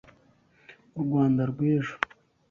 u Rwanda rw’ejo